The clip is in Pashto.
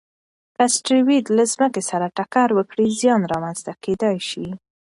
که اسټروېډ له ځمکې سره ټکر وکړي، زیان رامنځته کېدای شي.